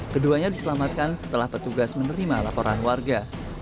keduanya diselamatkan setelah petugas menerima laporan warga